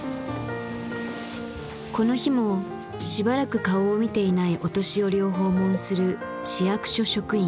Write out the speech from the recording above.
この日もしばらく顔を見ていないお年寄りを訪問する市役所職員。